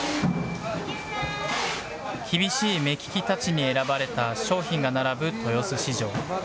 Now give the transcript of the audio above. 厳しい目利きたちに選ばれた商品が並ぶ豊洲市場。